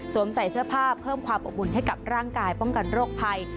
ใส่เสื้อผ้าเพิ่มความอบอุ่นให้กับร่างกายป้องกันโรคภัย